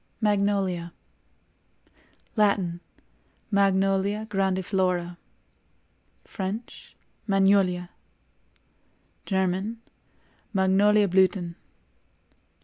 MAGNOLIA. Latin—Magnolia grandiflora; French—Magnolia; German—Magnoliablüthen.